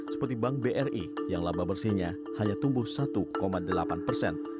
seperti bank bri yang laba bersihnya hanya tumbuh satu delapan persen